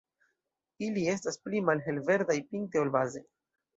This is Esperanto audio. Ili estas pli malhel-verdaj pinte ol baze.